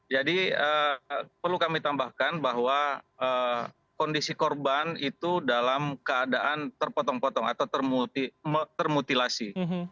jadi perlu kami tambahkan bahwa kondisi korban itu dalam keadaan terpotong potong atau termutilasi